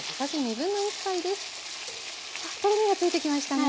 とろみがついてきましたね。